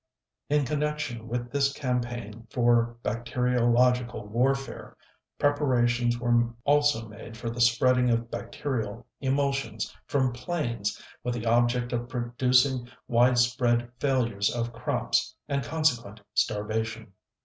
In connection with this campaign for bacteriological warfare, preparations were also made for the spreading of bacterial emulsions from planes, with the object of producing widespread failures of crops and consequent starvation.